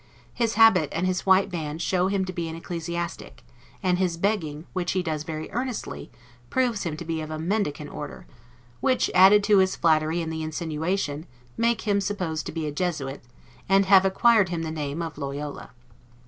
His habit and his white band show him to be an ecclesiastic; and his begging, which he does very earnestly, proves him to be of a mendicant order; which, added to his flattery and insinuation, make him supposed to be a Jesuit, and have acquired him the name of Loyola.